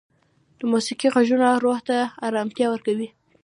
د موسیقۍ ږغونه روح ته ارامتیا ورکوي.